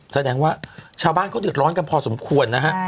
แสดงว่าชาวบ้านเขาเดือดร้อนกันพอสมควรนะฮะ